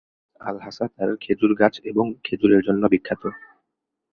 আল-হাসা তার খেজুর গাছ এবং খেজুরের জন্য বিখ্যাত।